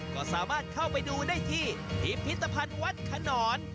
ก็สามารถเข้าไปดูได้ที่พิพิธภัณฑ์วัดขนอน